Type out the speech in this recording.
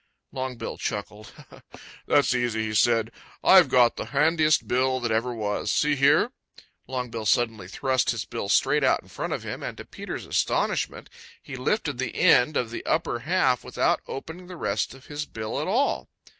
Longbill chuckled. "That's easy," said he. "I've got the handiest bill that ever was. See here!" Longbill suddenly thrust his bill straight out in front of him and to Peter's astonishment he lifted the end of the upper half without opening the rest of his bill at all.